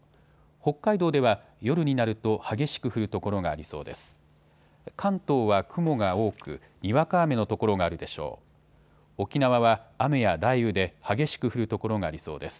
北海道では夜になると激しく降る所がありそうです。